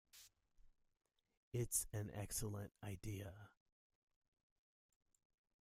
It's an excellent idea.